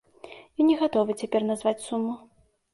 Я не гатовы цяпер назваць суму.